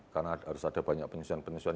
karena harus ada banyak penyusuan penyusuan